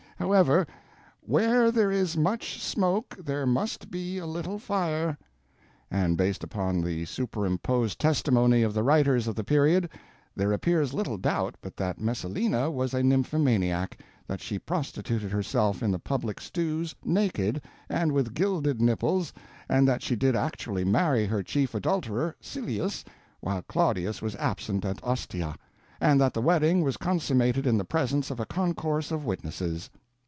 However, "where there is much smoke there must be a little fire," and based upon the superimposed testimony of the writers of the period, there appears little doubt but that Messalina was a nymphomaniac, that she prostituted herself in the public stews, naked, and with gilded nipples, and that she did actually marry her chief adulterer, Silius, while Claudius was absent at Ostia, and that the wedding was consummated in the presence of a concourse of witnesses.